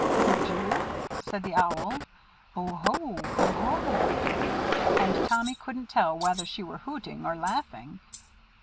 "Could you?" said the Owl. "Oohoo! oohoo!" and Tommy couldn't tell whether she were hooting or laughing.